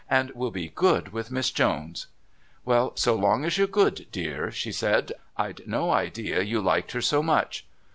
And we'll be good with Miss Jones." "Well, so long as you're good, dear," she said. "I'd no idea you liked her so much."